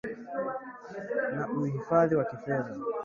na uhalifu wa kifedha